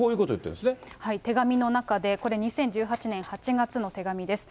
手紙の中で、これ２０１８年８月の手紙です。